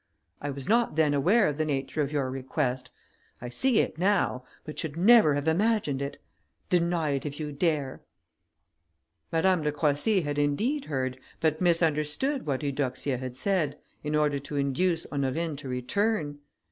_' I was not then aware of the nature of your request; I see it now, but should never have imagined it. Deny it if you dare." Madame de Croissy had indeed heard, but misunderstood what Eudoxia had said, in order to induce Honorine to return.